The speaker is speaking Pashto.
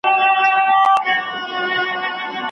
محتسب به رنځ وهلی په حجره کي پروت بیمار وي